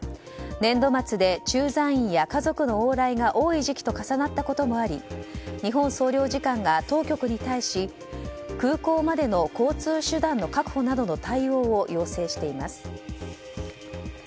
年度末で駐在員や家族の往来が多い時期と重なったこともあり日本総領事館が当局に対し空港までの交通手段の確保などの対応を要請しています。